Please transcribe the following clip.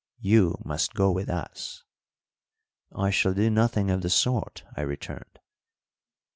You must go with us." "I shall do nothing of the sort," I returned.